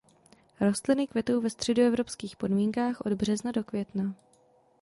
Rostliny kvetou ve středoevropských podmínkách od března do května.